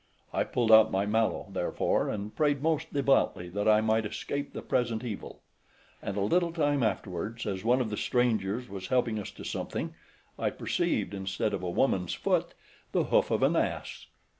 I pulled out my mallow, {147b} therefore, and prayed most devoutly that I might escape the present evil; and a little time afterwards, as one of the strangers was helping us to something, I perceived, instead of a woman's foot, the hoof of an ass.